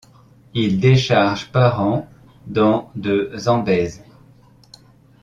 Il décharge par an dans de Zambèze.